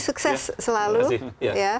sukses selalu ya